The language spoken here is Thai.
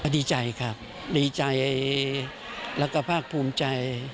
ดีใจครับดีใจแล้วก็ภาคภูมิใจ